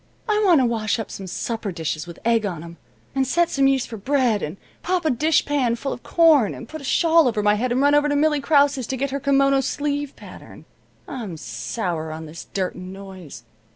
I want to wash up some supper dishes with egg on 'em, and set some yeast for bread, and pop a dishpan full of corn, and put a shawl over my head and run over to Millie Krause's to get her kimono sleeve pattern. I'm sour on this dirt and noise.